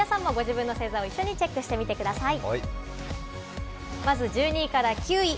皆さまもご自身の星座を一緒にチェックしてみてください。